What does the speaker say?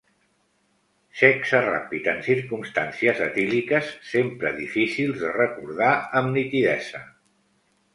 Sexe ràpid en circumstàncies etíliques, sempre difícils de recordar amb nitidesa.